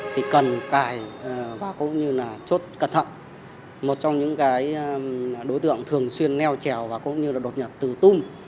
thì cần cài và cũng như là chốt cẩn thận một trong những cái đối tượng thường xuyên neo trèo và cũng như là đột nhập từ tum